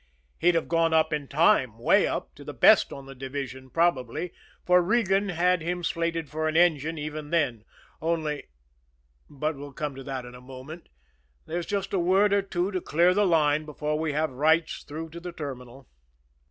He'd have gone up in time, way up, to the best on the division, probably, for Regan had him slated for an engine even then, only But we'll come to that in a moment; there's just a word or two to "clear" the line before we have "rights" through to the terminal.